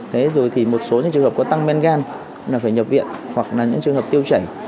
thế rồi thì một số những trường hợp có tăng men gan là phải nhập viện hoặc là những trường hợp tiêu chảy